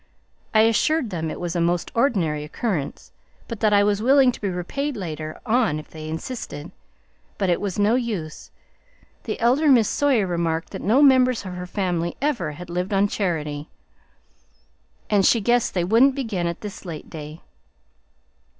I assured them it was a most ordinary occurrence, and that I was willing to be repaid later on if they insisted, but it was no use. The elder Miss Sawyer remarked that no member of her family ever had lived on charity, and she guessed they wouldn't begin at this late day."